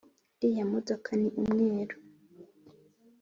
iriya modoka ni umweru